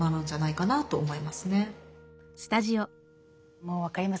もう分かります。